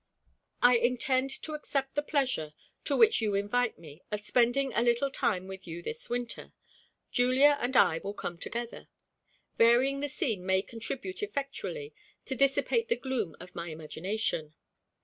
I intend to accept the pleasure, to which you invite me, of spending a little time with you this winter. Julia and I will come together. Varying the scene may contribute effectually to dissipate the gloom of my imagination.